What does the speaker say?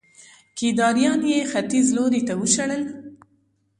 کيداريان يې ختيځ لوري ته وشړل